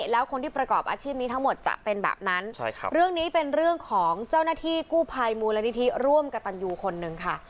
แล้วคนที่ประกอบอาชีพนี้ทั้งหมดจะเป็นแบบนั้นเรื่องนี้เป็นเรื่องของเจ้าหน้าที่กู้ภัยมูลนิธิร่วมกับตันยูคนหนึ่งค่ะ